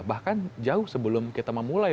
bahkan jauh sebelum kita memulai